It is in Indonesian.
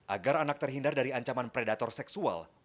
agar anak terhindar dari ancaman predator seksual